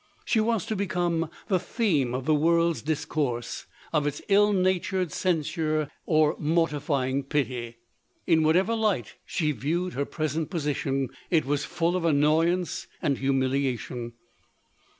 She was to become the theme of the world's discourse, of its ill natured censure or mortifying pity. In what ever light she viewed her present position, it was full of annoyance and humiliation ; her k 5 202 LODORE.